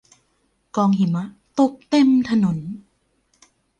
กองหิมะ ตกเต็มถนน